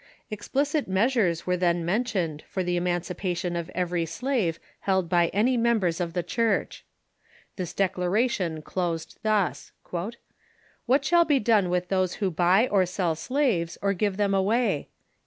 Ex plicit measures were then mentioned for the emancipation of every slave held by any members of the Church. This dec laration closed thus :" What shall be done with those who buy or sell slaves, or give them away?